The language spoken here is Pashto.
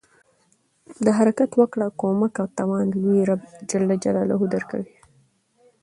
د حرکت وکړه، کومک او توان لوی رب ج درکوي.